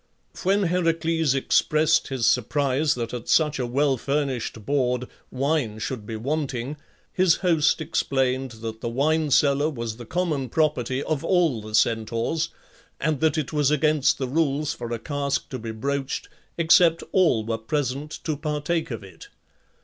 When Heracles expressed his surprise that at such a well furnished board wine should be wanting, his host explained that the wine cellar was the common property of all the Centaurs, and that it was against the rules for a cask to be broached, except all were present to partake of it.